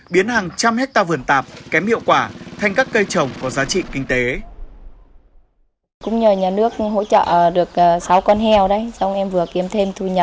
biến hàng trăm hectare vườn tạp kém hiệu quả thành các cây trồng có giá trị kinh tế